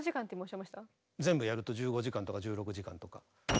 全部やると１５時間とか１６時間とか。